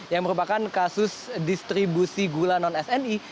yang merupakan kasus distribusi gula non sni